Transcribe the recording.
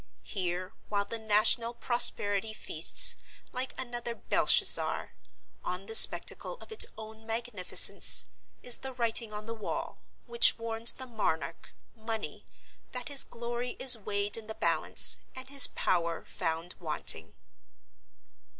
Here, while the national prosperity feasts, like another Belshazzar, on the spectacle of its own magnificence, is the Writing on the Wall, which warns the monarch, Money, that his glory is weighed in the balance, and his power found wanting.